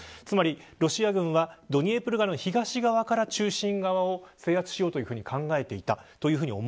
つまりロシア軍はドニエプル川の東側から中心側を制圧しようと考えていた。